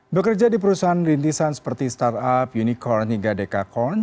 bekerja di perusahaan rintisan seperti startup unicorn hingga dekacorn